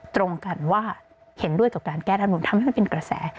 ตรงกันว่าเห็นด้วยกับการแก้ธรรมนุนทำให้มันเป็นกระแส